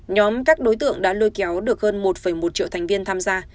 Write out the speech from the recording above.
nhóm các đối tượng đã lôi kéo được hơn một một triệu thành viên tham gia